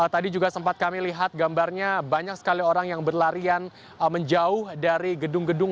tadi juga sempat kami lihat gambarnya banyak sekali orang yang berlarian menjauh dari gedung gedung